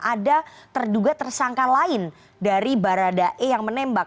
ada terduga tersangka lain dari baradae yang menembak